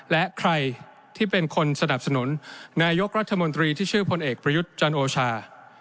และใครที่เป็นคนสนับสนุนนายกรัฐมนตรีที่ชื่อพลเอกประยุทธ์จันโอชา